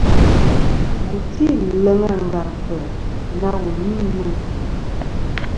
Wu tî leŋ àngàŋtɨ na wù ni meyn.